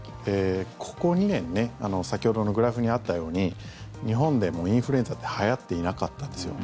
ここ２年ね先ほどのグラフにあったように日本でもインフルエンザってはやっていなかったんですよ。